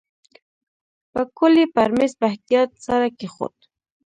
پکول یې پر میز په احتیاط سره کېښود.